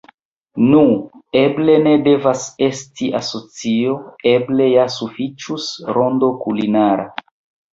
Nu, eble ne devas esti asocio; eble ja sufiĉus “Rondo Kulinara.